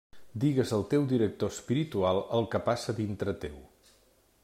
Digues al teu director espiritual el que passa dintre teu.